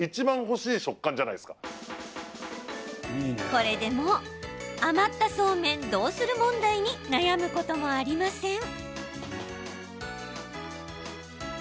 これでもう余ったそうめんどうする問題に悩むこともありません。